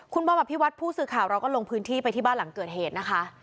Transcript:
คุณบอมอภิวัตผู้สื่อข่าวเราก็ลงพื้นที่ไปที่บ้านหลังเกิดเหตุนะคะ